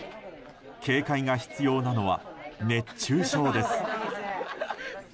警戒が必要なのは熱中症です。